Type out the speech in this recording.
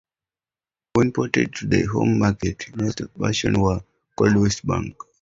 When ported to the home market, most versions were called West Bank.